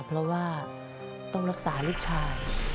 เพราะว่าต้องรักษาลูกชาย